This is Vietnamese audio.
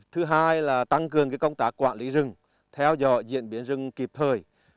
thứ hai là tăng cường công tác quản lý rừng theo dõi diễn biến rừng kịp thời